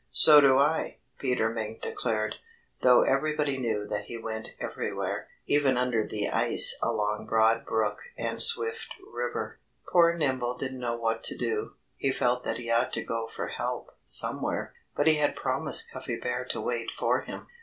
"So do I!" Peter Mink declared though everybody knew that he went everywhere even under the ice along Broad Brook and Swift River. Poor Nimble didn't know what to do. He felt that he ought to go for help, somewhere. But he had promised Cuffy Bear to wait for him.